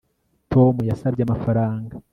Tom yasabye amafaranga